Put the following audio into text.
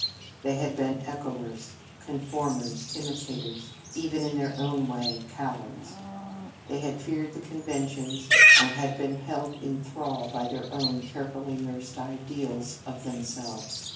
They had been echoers, conformers, imitators; even, in their own way, cowards. They had feared the conventions, and had been held in thrall by their own carefully nursed ideals of themselves.